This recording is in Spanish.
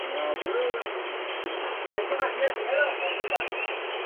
Enseguida avanzó hacia Chilecito; en el camino torturó hasta la muerte a varios montoneros.